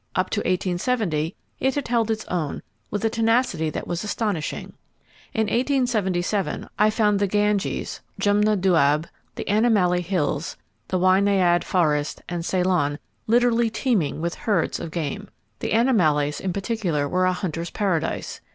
Up to 1870 it had held its own with a tenacity that was astonishing. In 1877, I found the Ganges—Jumna dooab, the Animallai Hills, the Wynaad Forest and Ceylon literally teeming with herds of game. The Animallais in particular were a hunter's paradise.